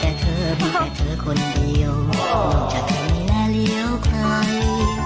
มาไปฝั่งนู้นไปรับเขาฝั่งนู้น